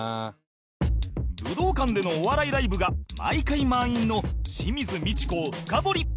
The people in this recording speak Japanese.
武道館でのお笑いライブが毎回満員の清水ミチコを深掘り